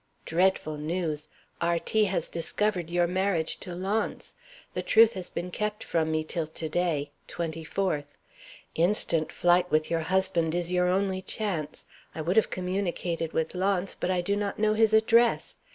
Dreadful news. R. T. has discovered your marriage to Launce. The truth has been kept from me till to day (24th). Instant flight with your husband is your only chance. I would have communicated with Launce, but I do not know his address.